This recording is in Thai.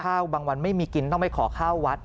บางวันไม่มีกินต้องไปขอข้าววัด